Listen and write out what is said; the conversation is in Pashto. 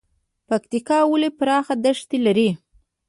پکتیکا ولې پراخه دښتې لري؟